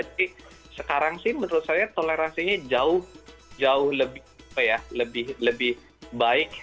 jadi sekarang sih menurut saya toleransinya jauh lebih baik